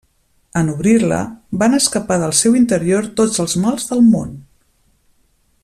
En obrir-la, van escapar del seu interior tots els mals del món.